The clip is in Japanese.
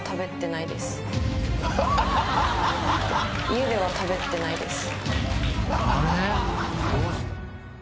家では食べてないです。